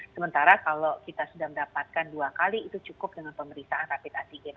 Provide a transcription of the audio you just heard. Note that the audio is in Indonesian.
sementara kalau kita sudah mendapatkan dua kali itu cukup dengan pemeriksaan rapid antigen